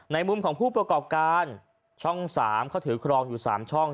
มุมของผู้ประกอบการช่อง๓เขาถือครองอยู่๓ช่อง